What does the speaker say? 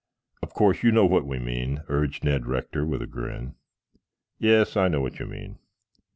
"Of course you know what we mean," urged Ned Rector with a grin. "Yes, I know what you mean."